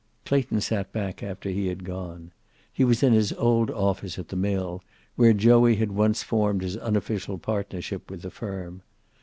Clayton sat back after he had gone. He was in his old office at the mill, where Joey had once formed his unofficial partnership with the firm.